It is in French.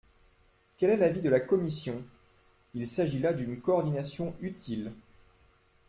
Quel est l’avis de la commission ? Il s’agit là d’une coordination utile.